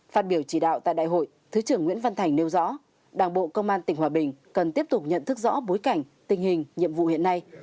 phát biểu chỉ đạo tại đại hội thứ trưởng nguyễn văn thành nêu rõ đảng bộ công an tỉnh hòa bình cần tiếp tục nhận thức rõ bối cảnh tình hình nhiệm vụ hiện nay